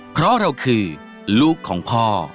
เพราะเราคือลูกของพ่อ